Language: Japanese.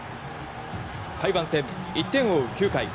台湾戦、１点を追う９回。